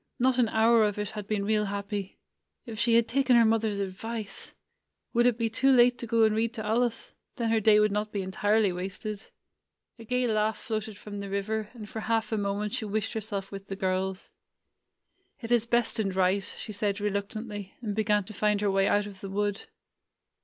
Not an hour of it had been real happy. If she had taken her mother's advice ! Would it be too late to go and read to Alice? [ 87 ] AN EASTER LILY — then her day would not be entirely wasted. A gay laugh floated from the river, and for half a moment she wished herself with the girls. "It is best and right," she said reluctantly, and began to find her way out of the wood.